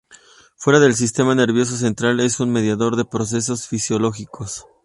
Fuera del sistema nervioso central es un mediador de procesos fisiológicos.